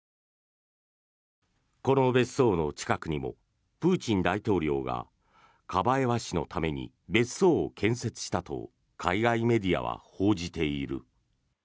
この別荘の近くにもプーチン大統領がカバエワ氏のために別荘を建設したと海外メディアは報じている。